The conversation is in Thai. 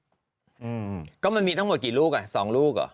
อืมก็มันมีทั้งหมดกี่ลูกอ่ะสองลูกเหรอ